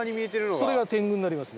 それが点群になりますね。